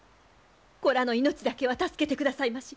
子らの命だけは助けてくださいまし。